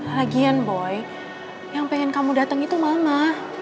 lagian boy yang pengen kamu datang itu mama